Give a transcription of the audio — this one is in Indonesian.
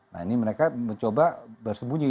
nah ini mereka mencoba bersembunyi